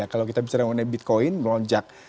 kalau kita bicara mengenai bitcoin melonjak